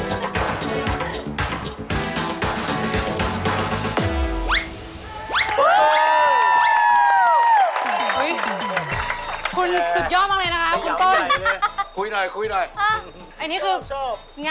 เอาเป็นครวานช่างครับจริง